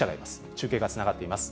中継がつながっています。